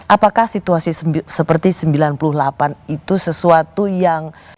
apakah situasi seperti sembilan puluh delapan itu sesuatu yang